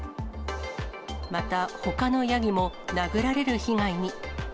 また、ほかのヤギも殴られる被害に。